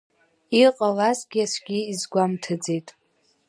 Иҟалазгьы аӡәгьы изгәамҭаӡеит.